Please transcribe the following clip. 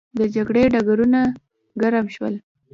د جګړې ډګرونه ګرم شول.